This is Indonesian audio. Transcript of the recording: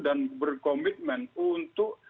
dan berkomitmen untuk